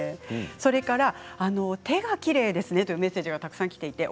それから手がきれいですねというメッセージがたくさんきています。